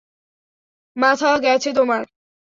মাথা গেছে তোমার?